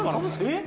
えっ？